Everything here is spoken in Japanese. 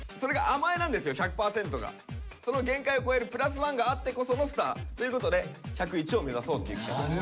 その限界を超える＋１があってこそのスターということで１０１を目指そうという企画です。